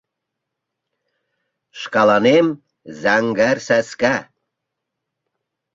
Шкаланем — зӓҥгӓр сӓскӓ